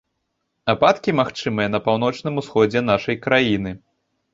Ападкі магчымыя на паўночным усходзе нашай краіны.